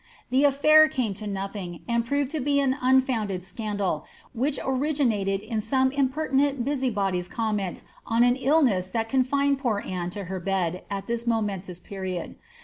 The afliir came to nothing, and proved to be an unfounded scandal, which originated in some impertinent busybody^s comment on an ill ness that confined poor Anne to her bed at this momentous period.